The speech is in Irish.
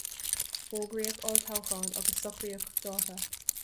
Fógraíodh olltoghchán agus socraíodh dáta.